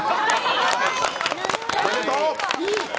おめでとう！